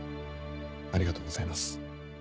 ありがとうございます。